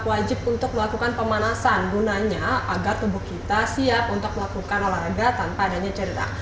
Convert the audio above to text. wajib untuk melakukan pemanasan gunanya agar tubuh kita siap untuk melakukan olahraga tanpa adanya cedera